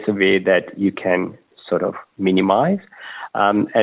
ada cara yang bisa anda minimisikan